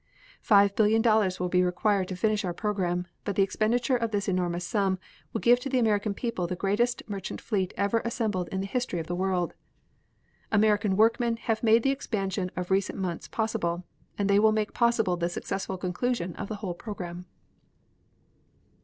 Five billion dollars will be required to finish our program, but the expenditure of this enormous sum will give to the American people the greatest merchant fleet ever assembled in the history of the world. American workmen have made the expansion of recent months possible, and they will make possible the successful conclusion of the whole program.